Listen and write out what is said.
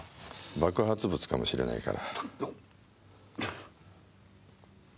爆発物かもしれないから。